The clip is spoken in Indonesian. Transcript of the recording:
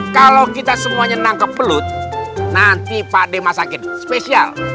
kalau kita semua nyenang ke belut nanti pak d masakin spesial